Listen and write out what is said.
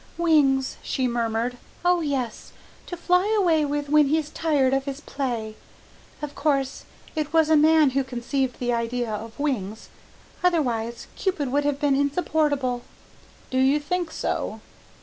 "Wings," she murmured, "oh, yes to fly away with when he's tired of his play. Of course it was a man who conceived the idea of wings, otherwise Cupid would have been insupportable." "Do you think so?"